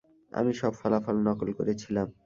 আমি সব ফলাফল নকল করেছিলাম।